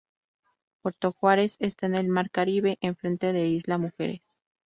Puerto Juárez está en el mar Caribe en frente de Isla Mujeres.